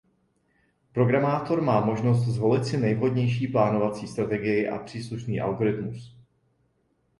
Programátor má možnost zvolit si nejvhodnější plánovací strategii a příslušný algoritmus.